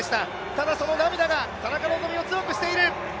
ただ、その涙が田中希実を強くしている！